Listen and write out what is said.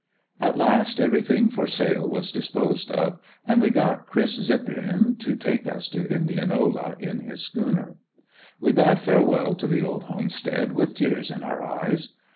At last everything for sale was disposed of and we got "Chris" Zipprian to take us to Indianola in his schooner. We bade farewell to the old homestead with tears in our eyes.